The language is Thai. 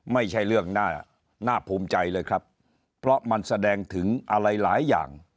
ไม่ใช่เรื่องน่าภูมิใจเลยครับเพราะมันแสดงถึงอะไรหลายอย่าง